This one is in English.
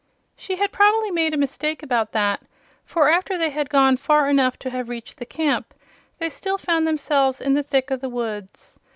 She had probably made a mistake about that, for after they had gone far enough to have reached the camp they still found themselves in the thick of the woods.